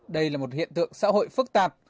đây là một hiện tượng xã hội phức tạp